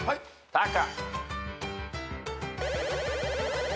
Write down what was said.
タカ。